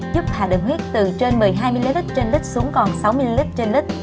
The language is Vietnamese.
giúp hạ đường huyết từ trên một mươi hai ml trên lít xuống còn sáu ml trên lít